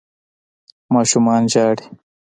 ماشومان ژاړي